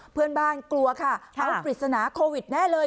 เพื่อนบ้านกลัวค่ะเอาปริศนาโควิดแน่เลย